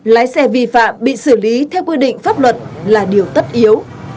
lái xe vi phạm bị xử lý theo quy định pháp luật là điều tất yếu